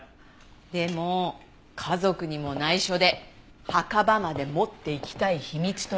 でも家族にも内緒で墓場まで持っていきたい秘密といったら。